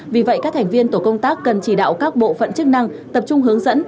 vì vậy các thành viên tổ công tác cần chỉ đạo các bộ phận chức năng tập trung hướng dẫn